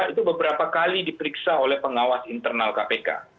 itu beberapa kali diperiksa oleh pengawas internal kpk